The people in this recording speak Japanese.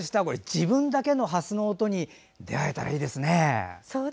自分だけのハスの音に出会えたらいいですね。